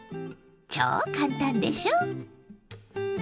超簡単でしょ！